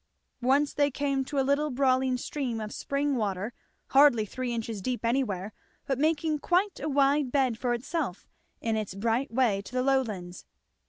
Once they came to a little brawling stream of spring water, hardly three inches deep anywhere but making quite a wide bed for itself in its bright way to the lowlands.